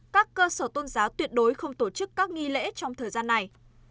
các cơ sở tôn giáo tuyệt đối không tổ chức các nghi lễ trong thời gian này